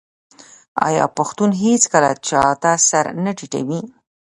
آیا پښتون هیڅکله چا ته سر نه ټیټوي؟